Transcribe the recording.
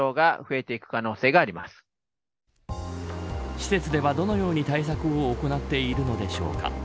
施設ではどのように対策を行っているのでしょうか。